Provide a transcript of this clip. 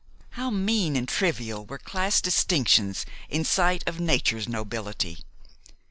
How mean and trivial were class distinctions in sight of nature's nobility!